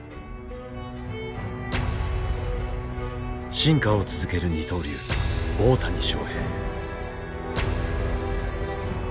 進化を続ける二刀流大谷翔平。